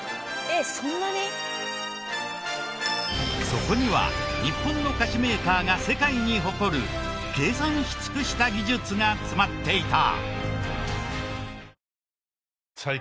そこには日本の菓子メーカーが世界に誇る計算しつくした技術が詰まっていた。